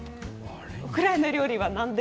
ウクライナ料理はそうなんだ。